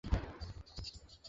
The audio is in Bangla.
না, কানমাণি!